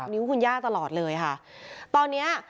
ลองไปดูบรรยากาศช่วงนั้นนะคะ